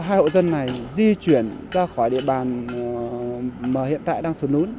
hai hộ dân này di chuyển ra khỏi địa bàn mà hiện tại đang xuất nún